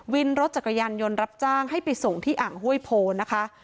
วินรถจักรยานยนต์รับจ้างให้ไปส่งที่อ่างห้วยโพนะคะ